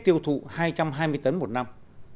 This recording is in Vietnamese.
tiêu thụ hai trăm hai mươi tấn một năm